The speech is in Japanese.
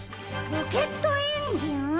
ロケットエンジン？